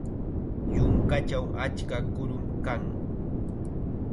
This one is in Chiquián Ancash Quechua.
Yunkachaw achka kurum kan.